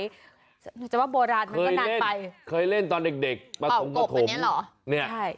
หนูจะว่าโบราณมันก็นานไปเคยเล่นเคยเล่นตอนเด็กเด็กเป่ากบอันนี้เหรอ